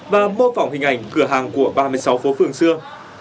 và mô phỏng hình ảnh cửa hàng của ba mươi sáu phố phường xưa